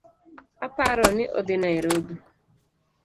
Aparoni odhi narobi